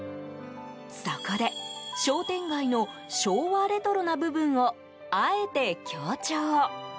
そこで、商店街の昭和レトロな部分をあえて強調。